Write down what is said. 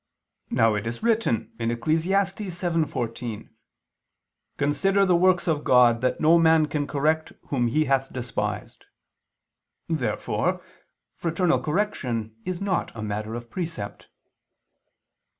Now it is written (Eccles. 7:14): "Consider the works of God, that no man can correct whom He hath despised." Therefore fraternal correction is not a matter of precept.